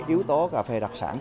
yếu tố cà phê đặc sản